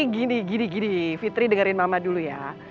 gini gini fitri dengerin mama dulu ya